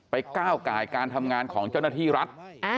ก้าวไก่การทำงานของเจ้าหน้าที่รัฐ